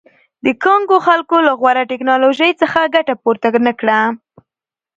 د کانګو خلکو له غوره ټکنالوژۍ څخه ګټه پورته نه کړه.